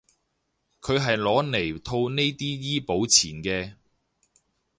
佢係攞嚟套呢啲醫保錢嘅